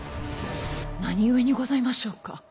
何故にございましょうか。